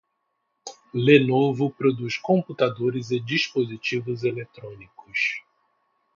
Lenovo produz computadores e dispositivos eletrônicos.